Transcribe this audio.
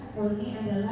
kalau ini adalah